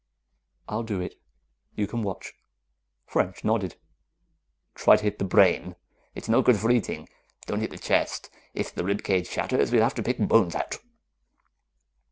"I'll do it. You can watch." French nodded. "Try to hit the brain. It's no good for eating. Don't hit the chest. If the rib cage shatters, we'll have to pick bones out."